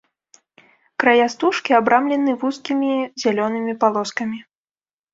Края стужкі абрамлены вузкімі зялёнымі палоскамі.